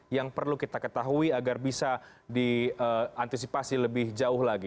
yang perlu kita ketahui agar bisa diantisipasi lebih jauh lagi